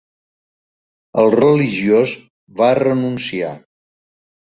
El religiós va renunciar.